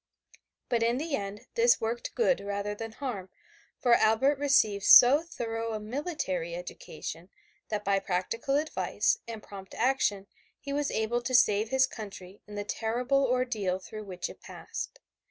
But in the end this worked good rather than harm, for Albert received so thorough a military education that by practical advice and prompt action he was able to save his country in the terrible ordeal through which it passed.